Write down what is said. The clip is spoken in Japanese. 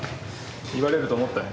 言われると思ったんや。